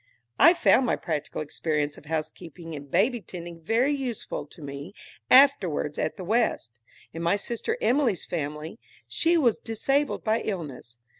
I found my practical experience of housekeeping and baby tending very useful to me afterwards at the West, in my sister Emilie's family, when she was disabled by illness.